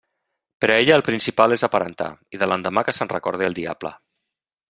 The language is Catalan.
Per a ella el principal és aparentar, i de l'endemà que se'n recorde el diable.